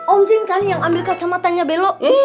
om jin kan yang ambil kacamatanya belo